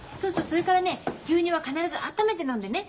それからね牛乳は必ず温めて飲んでね。